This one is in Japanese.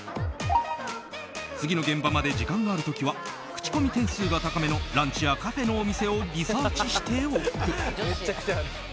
次の現場まで時間がある時は口コミ点数が高めのランチやカフェの店をリサーチしておく。